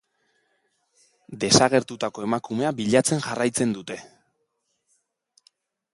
Desagertutako emakumea bilatzen jarraitzen dute.